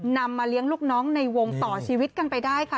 มาเลี้ยงลูกน้องในวงต่อชีวิตกันไปได้ค่ะ